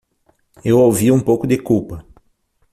Eu ouvi um pouco de culpa